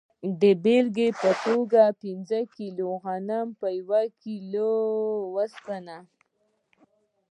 د بیلګې په توګه پنځه کیلو غنم په یوه کیلو اوسپنه.